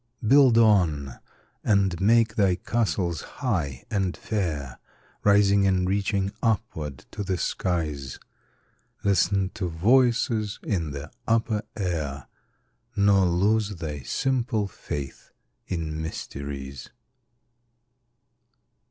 Build on, and make thy castles high and fair, Rising and reaching upward to the skies; Listen to voices in the upper air, Nor lose thy simple faith in mysteries.